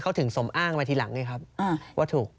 เขาถึงสมอ้างมาทีหลังไงครับว่าถูก